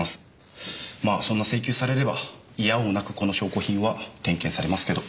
まあそんな請求されれば否応なくこの証拠品は点検されますけど。